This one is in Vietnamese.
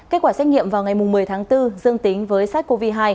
kết quả xét nghiệm vào ngày một mươi tháng bốn dương tính với sars cov hai